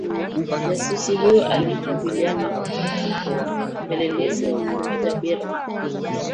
jasusi huyo aliitwa Juliana Owimana na mpelelezi wa kiume Jabir Makame